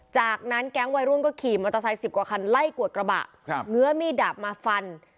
จากนั้นแก๊งวัยรุ่นก็ขี่มอเตอร์ไซค์สิบกว่าคันไล่กวดกระบะครับเงื้อมีดดาบมาฟัน